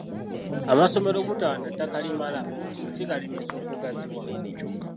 Amasomero obutaba na ttaka limala kigalemesa okugaziwa.